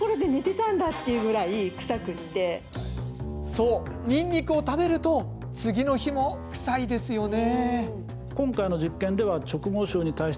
そう、にんにくを食べると次の日も臭いですよね。